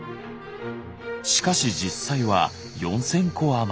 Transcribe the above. しかし実際は４，０００個余り。